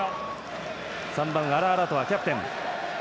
３番、アラアラトアキャプテン。